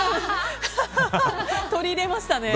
取り入れましたね。